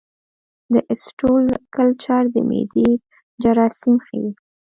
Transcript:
د سټول کلچر د معدې جراثیم ښيي.